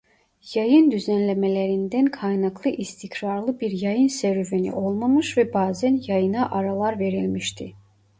Yayın düzenlemelerinden kaynaklı istikrarlı bir yayın serüveni olmamış ve bazen yayına aralar verilmişti.